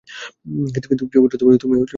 কিন্তু প্রিয় পুত্র, তুমি বেঁচে যাবে।